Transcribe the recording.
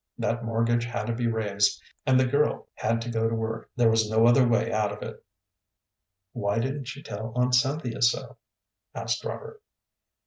That mortgage had to be raised, and the girl had to go to work; there was no other way out of it." "Why didn't she tell Aunt Cynthia so?" asked Robert.